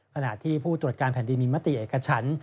ขณะที่ผู้ตรวจการแผ่นดินมีมติเอกชั้น